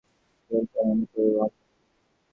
Game প্ল্যানের মতো, রণনীতি।